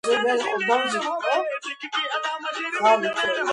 ჩრდილოეთ ნიშის ძირის დონეზე სამსაფეხურიანი თაროა მოწყობილი.